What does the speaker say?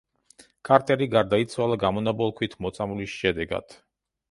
კარტერი გარდაიცვალა გამონაბოლქვით მოწამვლის შედეგად.